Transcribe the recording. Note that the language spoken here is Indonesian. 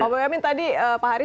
pak boyamin tadi pak haris